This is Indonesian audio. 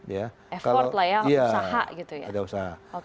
effort lah ya usaha gitu ya ya ada usaha